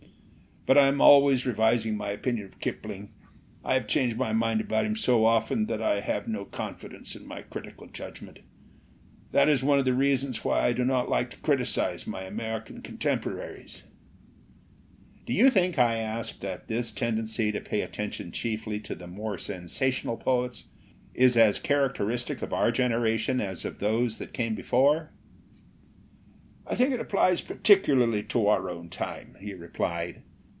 "But I am always revising my opinion of Kip ling. I have changed my mind about him so 267 LITERATURE IN THE MAKING often that I have no confidence in my critical judgment. That is one of the reasons why I do not like to criticise my American contem poraries. " "Do you think," I asked, "that this tendency to pay attention chiefly to the more sensational poets is as characteristic of our generation as of those that came before?'* "I think it applies particularly to our own time/' he replied.